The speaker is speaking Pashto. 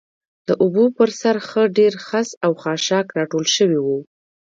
د اوبو پر سر ښه ډېر خس او خاشاک راټول شوي و.